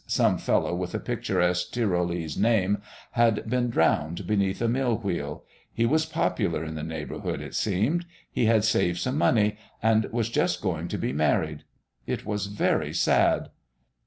Some fellow, with a picturesque Tyrolese name, had been drowned beneath a mill wheel; he was popular in the neighbourhood, it seemed; he had saved some money, and was just going to be married. It was very sad.